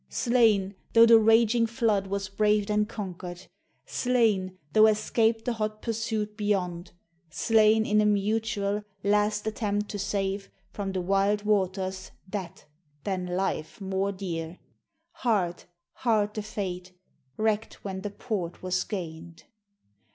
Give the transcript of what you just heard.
Slain, though the raging flood was braved and conquered: Slain, though escaped the hot pursuit beyond: Slain in a mutual, last attempt to save From the wild waters that than LIFE more dear. Hard, hard the fate wrecked when the port was gained!